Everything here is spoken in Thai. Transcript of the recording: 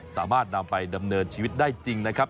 สามารถนำไปดำเนินชีวิตได้จริงนะครับ